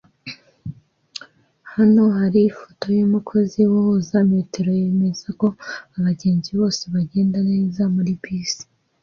Hano hari ifoto yumukozi uhuza metero yemeza ko abagenzi bose bagenda neza muri bisi